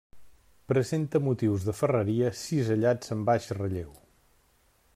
Presenta motius de ferreria cisellats en baix relleu.